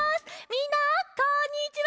みんなこんにちは。